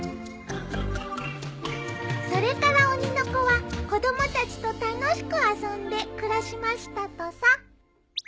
それから鬼の子は子供たちと楽しく遊んで暮らしましたとさ。